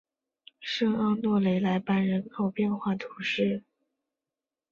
圣奥诺雷莱班人口变化图示